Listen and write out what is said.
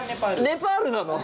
ネパールなの！？